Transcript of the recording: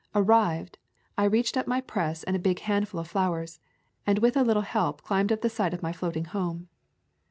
Ar rived, I reached up my press and a big handful of flowers, and with a little help climbed up the side of my floating home.